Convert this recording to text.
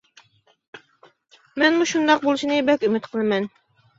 مەنمۇ شۇنداق بولۇشىنى بەك ئۈمىد قىلىمەن.